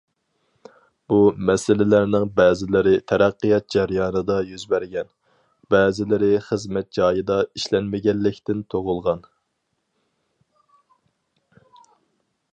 بۇ مەسىلىلەرنىڭ بەزىلىرى تەرەققىيات جەريانىدا يۈز بەرگەن، بەزىلىرى خىزمەت جايىدا ئىشلەنمىگەنلىكتىن تۇغۇلغان.